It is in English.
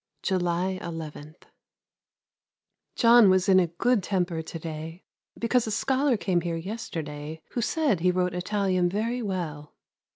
July 11. John was in good temper to day, because a scholar came here yesterday who said he wrote Italian very well.